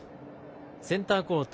センターコート